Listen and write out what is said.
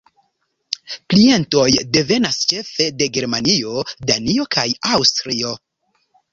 Klientoj devenas ĉefe de Germanio, Danio kaj Aŭstrio.